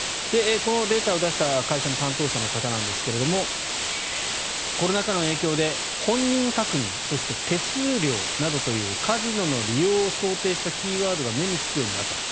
このデータを出した会社の担当者の方ですがコロナ禍の影響で、本人確認そして手数料などというカジノの利用を想定したキーワードが目につくようになったと。